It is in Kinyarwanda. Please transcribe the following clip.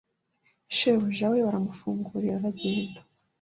shebujana we baramufungurira aragenda